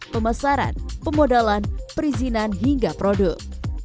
pemasaran pemodalan perizinan hingga produk